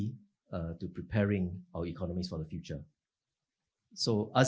untuk mempersiapkan ekonomi kita untuk masa depan